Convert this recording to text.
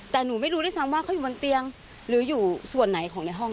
แล้วไฟเหนียวสามรอบจน